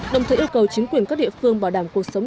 đồng thời yêu cầu chính quyền các địa phương bảo đảm cuộc sống